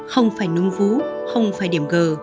không phải núm vú không phải điểm g